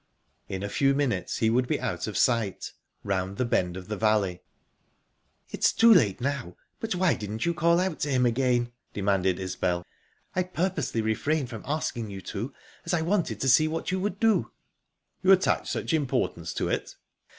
In a few minutes he would be out of sight, round the bend of the valley. "It's too late now, but why didn't you call out to him again?" demanded Isbel. "I purposely refrained from asking you to, as I wanted to see what you would do." "You attach such importance to it?"